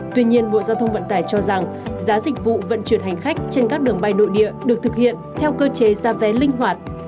tuy nhiên bộ giao thông vận tải cho rằng giá dịch vụ vận chuyển hành khách trên các đường bay nội địa được thực hiện theo cơ chế ra vé linh hoạt